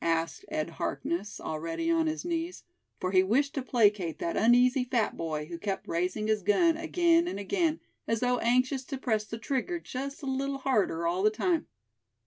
asked Ed Harkness, already on his knees, for he wished to placate that uneasy fat boy, who kept raising his gun again and again, as though anxious to press the trigger just a little harder all the time.